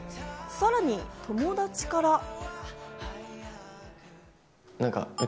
さらに友達から。